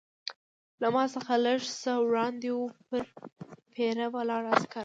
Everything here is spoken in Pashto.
له ما څخه لږ څه وړاندې وه، پر پیره ولاړ عسکر.